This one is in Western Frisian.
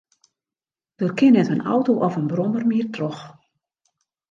Der kin net in auto of in brommer mear troch.